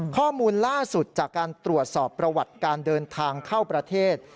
ข้อมูลล่าสุดจากการตรวจสอบประวัติการเดินทางเข้าประเทศ